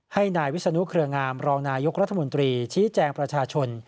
ให้นายวิศนุเครืองามรองนายกรัฐมนตรีชี้แจงประชาชน